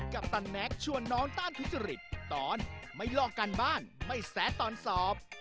ปตันแน็กชวนน้องต้านทุจริตตอนไม่ลอกการบ้านไม่แซะตอนสอบ